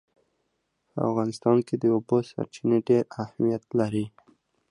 په افغانستان کې د اوبو سرچینې ډېر اهمیت لري.